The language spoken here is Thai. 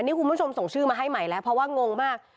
นี่คุณผู้ชมส่งชื่อมาให้ใหม่แล้วเพราะว่างงมาก